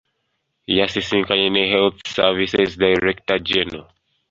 Yasisinkanye ne health Services Director-General.